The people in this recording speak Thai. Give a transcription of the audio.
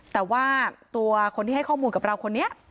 แต่ว่าตัวคนที่ให้ข้อมูลกับเราคนนี้